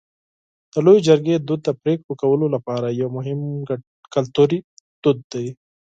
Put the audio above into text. د لویې جرګې دود د پرېکړو کولو لپاره یو مهم کلتوري دود دی.